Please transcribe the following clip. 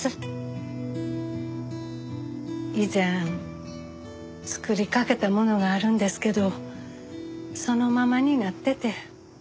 以前作りかけたものがあるんですけどそのままになってて。